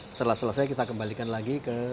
setelah selesai kita kembalikan lagi ke